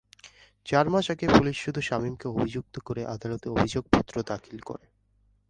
চার মাস আগে পুলিশ শুধু শামীমকে অভিযুক্ত করে আদালতে অভিযোগপত্র দাখিল করে।